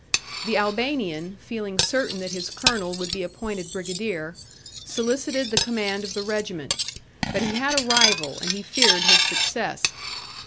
The Albanian feeling certain that his colonel would be appointed brigadier, solicited the command of the regiment, but he had a rival and he feared his success.